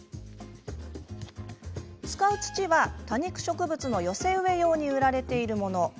使う土は多肉植物の寄せ植え用に売られているもの。